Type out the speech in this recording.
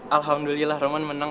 alhamdulillah roman menang